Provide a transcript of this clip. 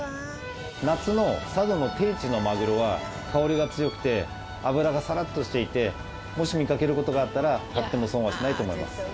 夏の佐渡の定置のマグロは香りが強くて脂がサラッとしていてもし見かける事があったら買っても損はしないと思います。